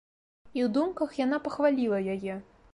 І ў думках яна пахваліла яе.